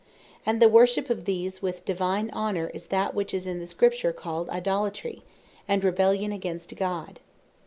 And the worship of these with Divine Honour, is that which is in the Scripture called Idolatry, and Rebellion against God.